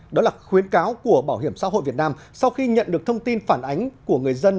đó là khuyến cáo của bảo hiểm xã hội việt nam sau khi nhận được thông tin phản ánh của người dân